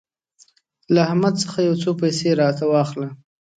له احمد څخه يو څو پيسې راته واخله.